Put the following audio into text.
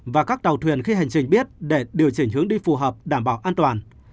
và các tàu thuyền khi hành trình biết để điều chỉnh hướng đi phù hợp đảm bảo an toàn